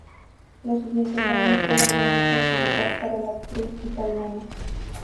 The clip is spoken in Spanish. Los siguientes años fueron de mucha actividad para la actriz italiana.